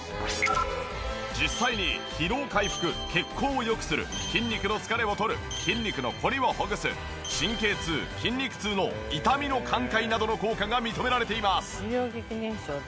実際に疲労回復血行を良くする筋肉の疲れをとる筋肉のコリをほぐす神経痛・筋肉痛の痛みの緩解などの効果が認められています。